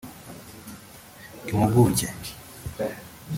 impuguke